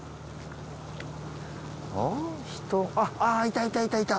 人ああいたいたいた。